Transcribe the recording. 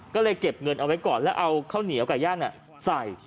ก็เลยเก็บเงินเอาไว้ก่อนแล้วเอาข้าวเหนียวไก่ย่างใส่